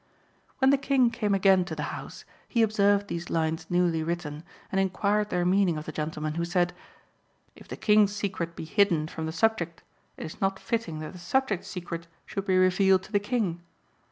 When the King came again to the house, he observed these lines newly written, and inquired their meaning of the gentleman, who said "If the King's secret be hidden from the subject, it is not fitting that the subject's secret should be revealed to the King.